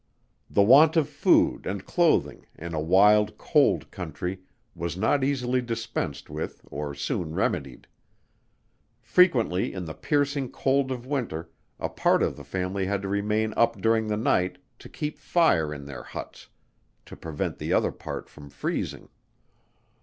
The want of food and clothing in a wild, cold country, was not easily dispensed with or soon remedied. Frequently in the piercing cold of winter a part of the family had to remain up during the night to keep fire in their huts to prevent the other part from freezing.